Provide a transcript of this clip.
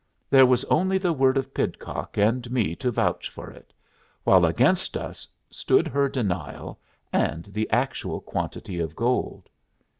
There was only the word of Pidcock and me to vouch for it, while against us stood her denial, and the actual quantity of gold.